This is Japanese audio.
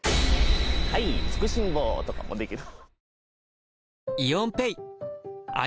はいつくしんぼうとかもできる。